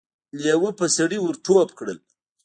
لېوه په سړي ور ټوپ کړ.